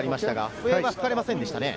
笛は吹かれませんでしたね。